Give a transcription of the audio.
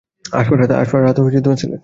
Ask for Rahat, Sylhet.